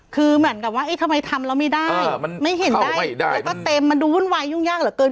คือเหมือนกับว่าเอ๊ะทำไมทำแล้วไม่ได้ไม่เห็นได้ไม่ได้แล้วก็เต็มมันดูวุ่นวายยุ่งยากเหลือเกิน